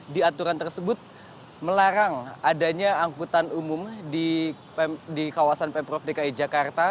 di aturan tersebut melarang adanya angkutan umum di kawasan pemprov dki jakarta